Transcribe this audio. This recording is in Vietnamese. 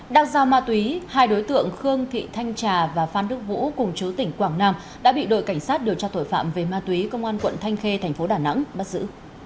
đang giao ma túy hai đối tượng khương thị thanh trà và phan đức vũ cùng chú tỉnh quảng nam đã bị đội cảnh sát điều tra tội phạm về ma túy công an quận thanh khê thành phố đà nẵng bắt giữ